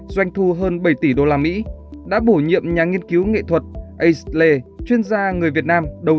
doanh thu hơn bảy tỷ usd đã bổ nhiệm nhà nghiên cứu nghệ thuật ele chuyên gia người việt nam đầu